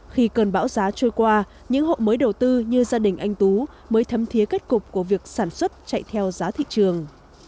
khi cơn bão giá trôi qua những hộ mới đầu tư như gia đình anh tú mới thấm thiế kết cục của việc sản xuất chạy theo giá thị trường